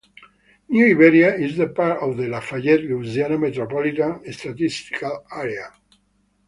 New Iberia is the part of the Lafayette, Louisiana Metropolitan Statistical Area.